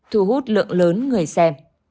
thu hút lượng lớn người xem